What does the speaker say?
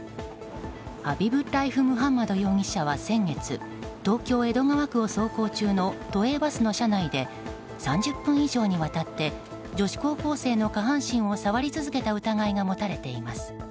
ハビブッラエフ・ムハンマド容疑者は先月東京・江戸川区を走行中の都営バスの車内で３０分以上にわたって女子高校生の下半身を触り続けた疑いが持たれています。